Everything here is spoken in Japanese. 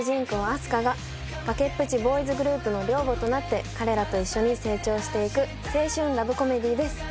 あす花が崖っぷちボーイズグループの寮母となって彼らと一緒に成長していく青春ラブコメディーです